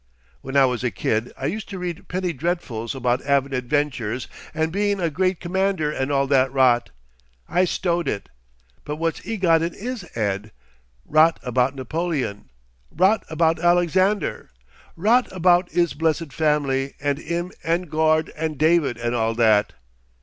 When I was a kid, I used to read penny dreadfuls about 'avin adventures and bein' a great c'mander and all that rot. I stowed it. But what's 'e got in 'is head? Rot about Napoleon, rot about Alexander, rot about 'is blessed family and 'im and Gord and David and all that.